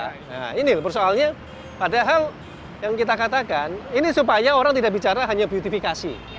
nah ini persoalannya padahal yang kita katakan ini supaya orang tidak bicara hanya beautifikasi